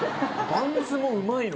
バンズもうまい。